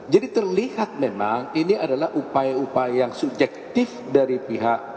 jadi terlihat memang ini adalah upaya upaya yang subjektif dari pihak